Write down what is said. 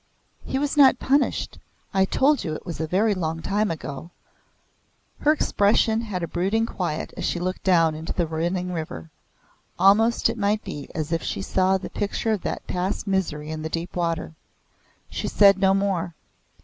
"He was not punished. I told you it was a very long time ago. Her expression had a brooding quiet as she looked down into the running river, almost it might be as if she saw the picture of that past misery in the deep water. She said no more.